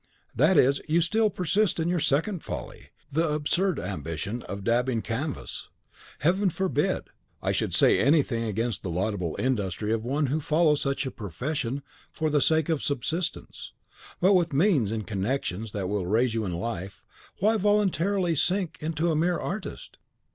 "That is, you still persist in your second folly, the absurd ambition of daubing canvas. Heaven forbid I should say anything against the laudable industry of one who follows such a profession for the sake of subsistence; but with means and connections that will raise you in life, why voluntarily sink into a mere artist?